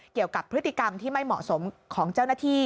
เกี่ยวกับพฤติกรรมที่ไม่เหมาะสมของเจ้าหน้าที่